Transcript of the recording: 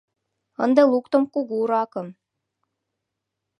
Ынде луктым кугу ракым